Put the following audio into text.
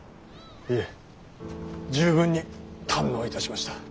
いえ十分に堪能いたしました。